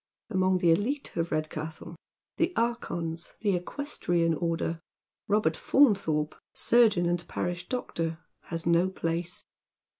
Among the elite of Redcastle — the archons — the equestrian order — Robert Faunthorpe, surgeon and parish doctor, has no place.